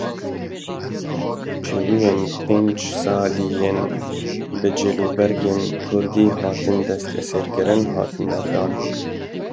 Cêwiyên pênc salî yên bi cilûbergên kurdî hatine desteserkirin, hatin erdan.